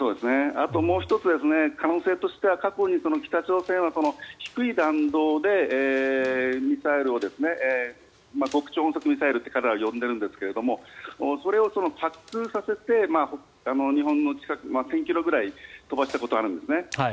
あともう１つ、可能性としては過去に北朝鮮は低い弾道でミサイルを極超音速ミサイルって彼らは呼んでるんですがそれを日本の近く、１０００ｋｍぐらい飛ばしたことがあるんですね。